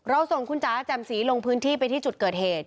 ส่งคุณจ๋าแจ่มสีลงพื้นที่ไปที่จุดเกิดเหตุ